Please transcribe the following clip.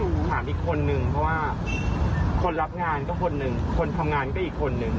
อันนี้ต้องถามอีกคนหนึ่งเพราะว่าคนรับงานก็คนหนึ่งคนทำงานก็อีกคนหนึ่ง